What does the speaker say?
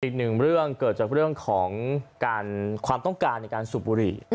อีกหนึ่งเรื่องเกิดจากเรื่องของการความต้องการในการสูบบุหรี่